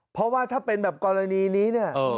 เพราะว่าถ้าเป็นแบบกรณีนี้เนี่ย